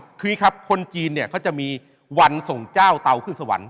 คืออย่างนี้ครับคนจีนเนี่ยเขาจะมีวันส่งเจ้าเตาขึ้นสวรรค